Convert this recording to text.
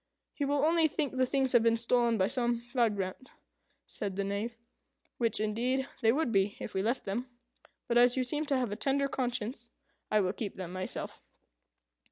"He will only think the things have been stolen by some vagrant," said the Knave "which, indeed, they would be if we left them. But as you seem to have a tender conscience, I will keep them myself."